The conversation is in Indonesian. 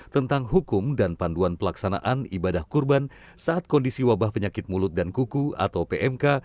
tentang hukum dan panduan pelaksanaan ibadah kurban saat kondisi wabah penyakit mulut dan kuku atau pmk